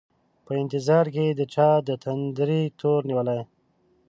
په انتظار کي د چا دتندري تور نیولي